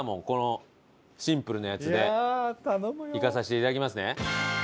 このシンプルなやつでいかさせて頂きますね。